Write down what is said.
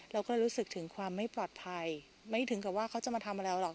รู้สึกถึงความไม่ปลอดภัยไม่ถึงกับว่าเขาจะมาทำอะไรหรอก